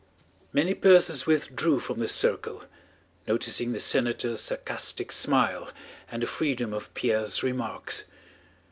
Many persons withdrew from the circle, noticing the senator's sarcastic smile and the freedom of Pierre's remarks.